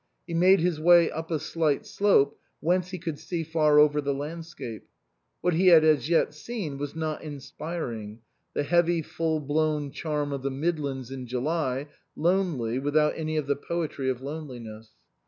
He made his way up a slight slope, whence he could see far over the landscape. What he had as yet seen was not inspiring, the heavy full blown charm of the Midlands in July, lonely, without any of the poetry of loneliness.